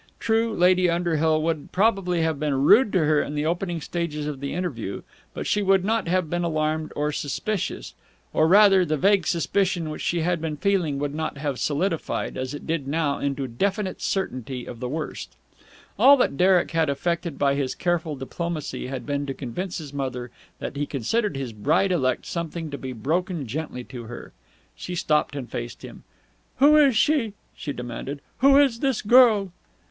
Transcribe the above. True, Lady Underhill would probably have been rude to her in the opening stages of the interview, but she would not have been alarmed and suspicious; or, rather, the vague suspicion which she had been feeling would not have solidified, as it did now into definite certainty of the worst. All that Derek had effected by his careful diplomacy had been to convince his mother that he considered his bride elect something to be broken gently to her. She stopped and faced him. "Who is she?" she demanded. "Who is this girl?"